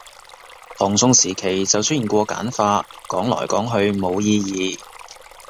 唐宋時期就出現過簡化，講來講去冇意義